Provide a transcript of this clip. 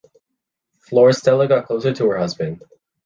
Florastella got closer to her husband.